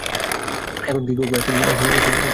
এখন কি করবো!